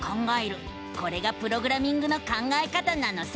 これがプログラミングの考え方なのさ！